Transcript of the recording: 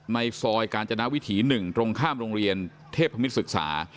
ในซอยกาญจนาวิถี๑ตรงข้ามโรงเรียนเทพมิตรศึกษา